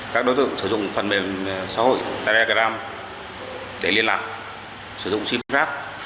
các đối tượng sử dụng phần mềm xã hội telegram để liên lạc